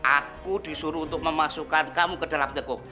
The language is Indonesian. aku disuruh untuk memasukkan kamu ke dalam teguh